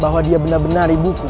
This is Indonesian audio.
bahwa dia benar benar ibu ku